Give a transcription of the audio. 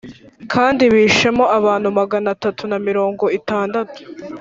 kandi bishemo abantu magana atatu na mirongo itandatu.